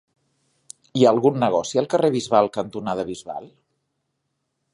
Hi ha algun negoci al carrer Bisbal cantonada Bisbal?